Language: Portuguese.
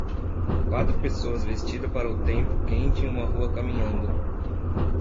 Quatro pessoas vestidas para o tempo quente em uma rua caminhando.